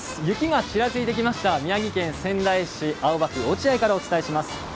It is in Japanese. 雪がちらついてきました、宮城県仙台市青葉区落合からお伝えします。